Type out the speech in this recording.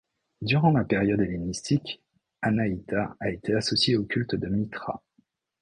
Durant la période hellénistique, Anahita a été associée au culte de Mithra.